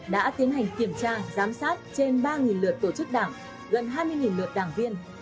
đã tiến hành kiểm tra giám sát trên ba lượt tổ chức đảng gần hai mươi lượt đảng viên